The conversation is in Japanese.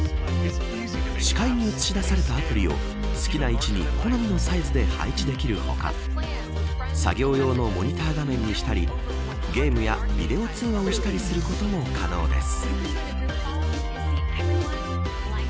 視界に映し出されたアプリを好きな位置に好みのサイズで配置できる他作業用のモニター画面にしたりゲームやビデオ通話をしたりすることも可能です。